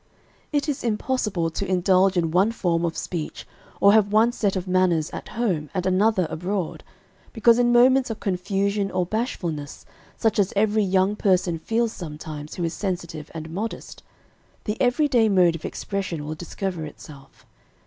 It is impossible to indulge in one form of speech, or have one set of manners at home, and another abroad, because in moments of confusion or bashfulness, such as every young person feels sometimes who is sensitive and modest, the every day mode of expression will discover itself.